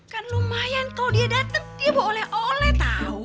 kan lumayan kalau dia datang dia boleh oleh oleh tahu